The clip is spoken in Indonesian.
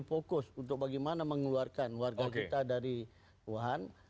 fokus untuk bagaimana mengeluarkan warga kita dari wuhan